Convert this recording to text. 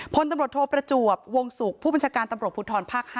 พลตำรวจโทประจวบวงศุกร์ผู้บัญชาการตำรวจภูทรภาค๕